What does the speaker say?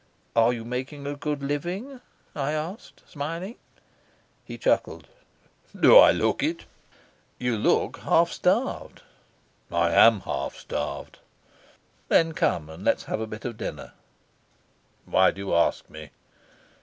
"Are you making a good living?" I asked, smiling. He chuckled. "Do I look it?" "You look half starved." "I am half starved." "Then come and let's have a bit of dinner." "Why do you ask me?"